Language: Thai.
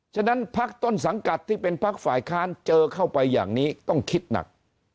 ฉะนั้นพักต้นสังกัดที่เป็นพักฝ่ายค้านเจอเข้าไปอย่างนี้ต้องคิดหนัก